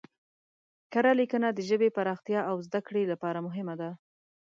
کره لیکنه د ژبې پراختیا او زده کړې لپاره مهمه ده.